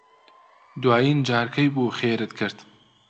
دوایین جار کەی بوو خێرت کرد؟